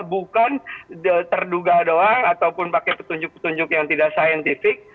bukan terduga doang ataupun pakai petunjuk petunjuk yang tidak saintifik